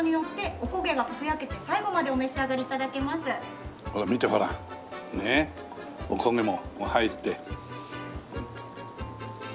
お焦げも入って。